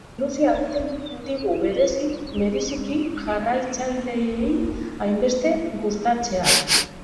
Ilusioa egiten digu bereziki, jarraitzaileei hainbeste gustatzeak.